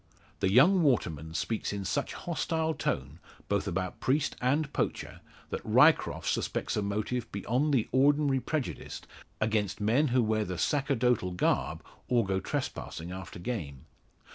The young waterman speaks in such hostile tone both about priest and poacher, that Ryecroft suspects a motive beyond the ordinary prejudice against men who wear the sacerdotal garb, or go trespassing after game.